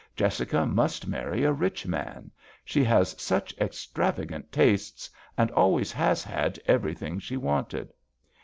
Jessica must marry a rich man. She has such extravagant tastes and always has had everything she wanted."